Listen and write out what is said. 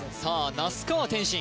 那須川天心